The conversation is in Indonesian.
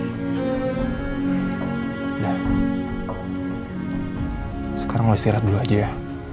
udah sekarang lo istirahat dulu aja ya